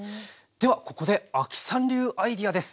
ではここで亜希さん流アイデアです。